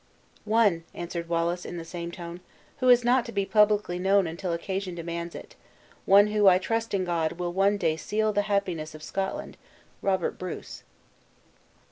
"One," answered Wallace, in the same tone, "who is not to be publicly known until occasion demands it; one who, I trust in God, will one day seal the happiness of Scotland Robert Bruce."